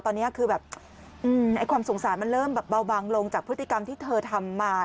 ตอนนี้คือแบบความสงสารมันเริ่มแบบเบาบางลงจากพฤติกรรมที่เธอทำมา